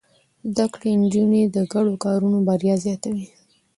زده کړې نجونې د ګډو کارونو بريا زياتوي.